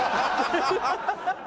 ハハハハ！